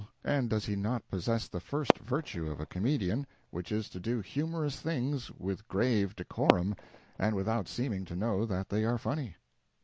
and does he not possess the first virtue of a comedian, which is to do humorous things with grave decorum and without seeming to know that they are funny?)